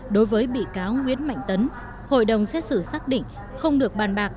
đối với bị cáo nguyễn mạnh tấn hội đồng xét xử xác định không được bàn bạc